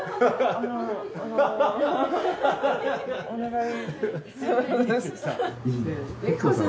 お願い。